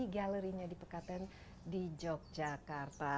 galerinya di pekaten di yogyakarta